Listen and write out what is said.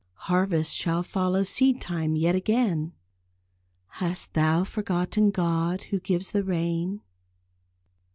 Harvest shall follow seed time yet again. Hast thou forgotten God who gives the rain?"